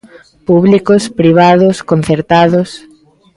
Públicos, privados, concertados.